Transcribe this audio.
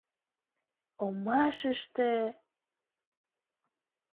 — Омашыште...